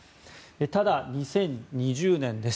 ただ、２０２０年です。